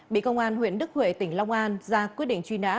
bị công an huyện đức huệ tỉnh long an ra quyết định truy nã